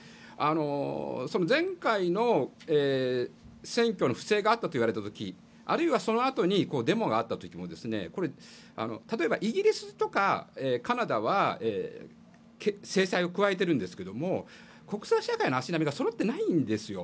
前回、選挙に不正があったといわれた時あるいは、そのあとにデモがあった時に例えば、イギリスとかカナダは制裁を加えているんですが国際社会の足並みがそろってないんですよ。